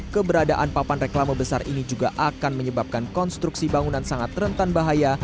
keberadaan papan reklama besar ini juga akan menyebabkan konstruksi bangunan sangat rentan bahaya